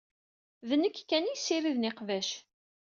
D nekk kan i yessiriden iqbac.